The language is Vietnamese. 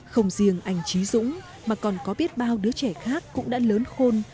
không riêng anh trí dũng mà còn có biết bao đứa trẻ khác cũng đã lớn khôn